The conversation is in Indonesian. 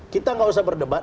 kita nggak usah berdebat